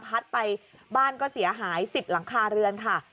พัดไปบ้านก็เสียหาย๑๐หลังคาเรือนค่ะ